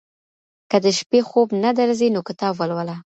که د شپې خوب نه درځي نو کتاب ولوله.